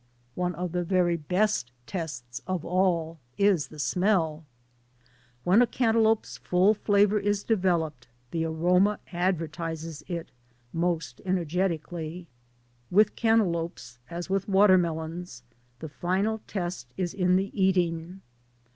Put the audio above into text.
One of the very best tests of all is the smoll. When a cantaloupe's full flavor is developed, the aroma advertises it most energetically. With cantaloupes as with watermelons the final test is in the eating.